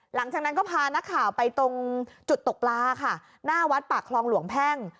หลังจากนั้นก็พานักข่าวไปตรงจุดตกปลาค่ะหน้าวัดปากคลองหลวงแพ่ง